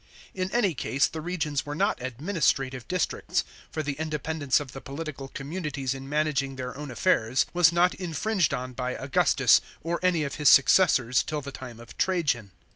In any case, the regions were not administrative districts, for the independence of the political communities in managing their own affairs was not infringed on by Augustus or any of his successors till the time of Trajan.